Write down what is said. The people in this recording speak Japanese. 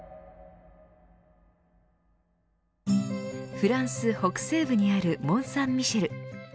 フランス北西部にあるモンサンミシェル。